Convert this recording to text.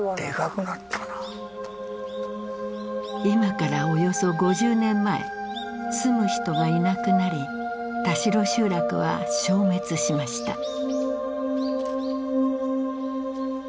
今からおよそ５０年前住む人がいなくなり田代集落は消滅しました。